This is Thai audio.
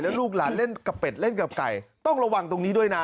แล้วลูกหลานเล่นกับเป็ดเล่นกับไก่ต้องระวังตรงนี้ด้วยนะ